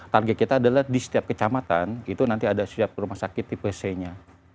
target kita adalah di setiap kecamatan itu nanti ada setiap rumah sakit tipe c nya